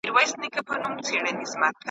داخلي پانګوال د هیواد په جوړولو کي برخه اخلي.